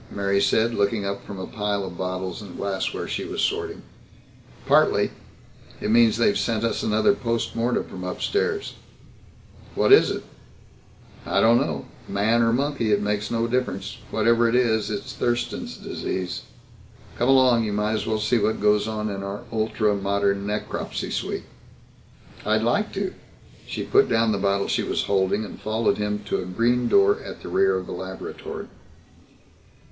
Mary said, looking up from a pile of bottles and glassware she was sorting. "Partly. It means they've sent us another post mortem from upstairs." "What is it?" "I don't know man or monkey, it makes no difference. Whatever it is, it's Thurston's Disease. Come along. You might as well see what goes on in our ultra modern necropsy suite." "I'd like to." She put down the bottle she was holding and followed him to a green door at the rear of the laboratory.